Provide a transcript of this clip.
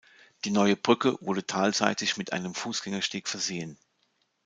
Die neue Brücke wurde talseitig mit einem Fußgängersteg versehen.